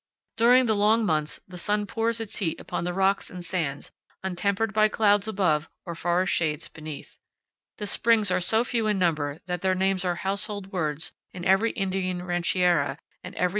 During the long months the sun pours its heat upon the rocks and sands, untempered by clouds above or forest shades beneath. The springs are so few in number that their names are household words in every Indian rancheria and every 23 powell canyons 5.